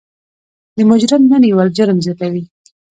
د مجرم نه نیول جرم زیاتوي.